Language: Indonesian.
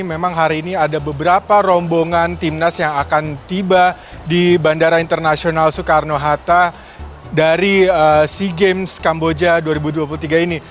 memang hari ini ada beberapa rombongan timnas yang akan tiba di bandara internasional soekarno hatta dari sea games kamboja dua ribu dua puluh tiga ini